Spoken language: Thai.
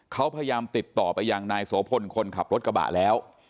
เขาพยายามติดต่อไปยังนายโสพลคนขับรถกระบะแล้ว